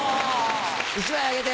１枚あげて！